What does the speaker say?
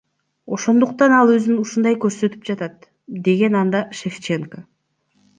Ошондуктан ал өзүн ушундай көрсөтүп жатат, — деген анда Шевченко.